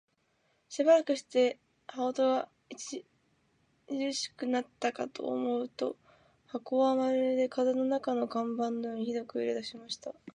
しばらくして、羽音が烈しくなったかと思うと、箱はまるで風の中の看板のようにひどく揺れだしました。